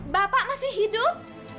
bapak masih hidup